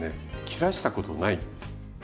切らしたことない。